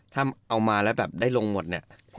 ถ้าเอามาแล้วแบบได้ลงหมดเนี่ย